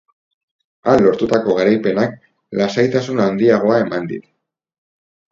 Han lortutako garaipenak lasaitasun handiagoa eman dit.